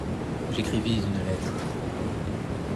J’écrivis une lettre.